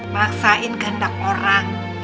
maksain gendak orang